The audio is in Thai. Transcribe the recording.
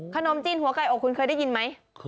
ขนมจีนหัวไก่อกคุณเคยได้ยินไหม